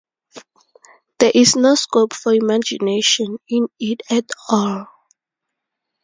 There is no scope for imagination in it at all.